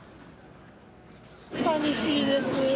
さみしいです。